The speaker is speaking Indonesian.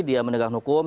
dia menegakkan hukum